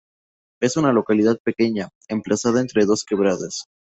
Es una localidad pequeña, emplazada entre dos quebradas.